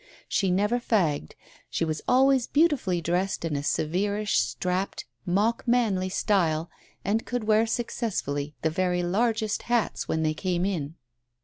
She never "fagged." She was always beautifully dressed in a severish, strapped, mock manly style, and could wear successfully the very largest hats when they came in.